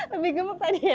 lebih gemuk tadi ya